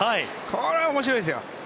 これは面白いですよ。